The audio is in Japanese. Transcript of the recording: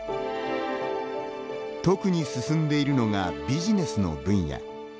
特に進んでいるのがビジネスの分野。